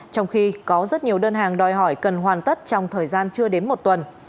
trong khi có rất nhiều đơn hàng đòi hỏi cần hoàn tất trong thời gian chưa đến một tuần